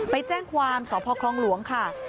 ไปแจ้งความสพคลองหลวงค่ะ